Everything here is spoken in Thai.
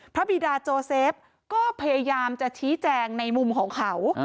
บิดาโจเซฟก็พยายามจะชี้แจงในมุมของเขา